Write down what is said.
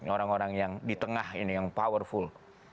orang orang yang di tengah ini yang powerful